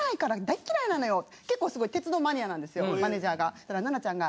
そしたら奈々ちゃんが。